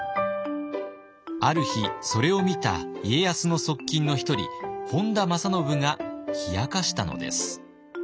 ある日それを見た家康の側近の１人本多正信が冷やかしたのです。